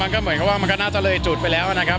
ก็เหมือนกับว่ามันก็น่าจะเลยจุดไปแล้วนะครับ